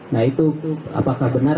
nah itu apakah benar